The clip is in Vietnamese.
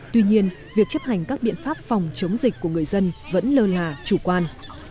tuy nhiên việc chấp hành các biện pháp phòng chống dịch của người dân vẫn lơ là chủ quan